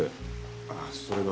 ああそれが。